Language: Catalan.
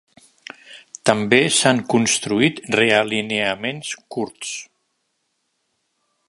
També s'han construït realineaments curts.